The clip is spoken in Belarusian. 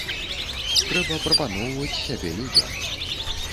Трэба прапаноўваць сябе людзям.